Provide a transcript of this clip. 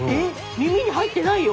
耳に入ってないよ？